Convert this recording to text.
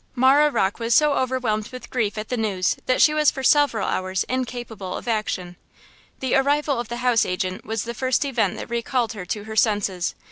Marah Rocke was so overwhelmed with grief at the news that she was for several hours incapable of action. The arrival of the house agent was the first event that recalled her to her senses.